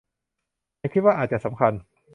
ฉันคิดว่าอาจจะสำคัญ